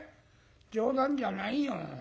冗談じゃないよ。